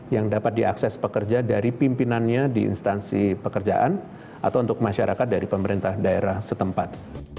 yang dapat diakses pekerja dari pimpinannya di instansi pekerjaan atau untuk masyarakat dari pemerintah daerah setempat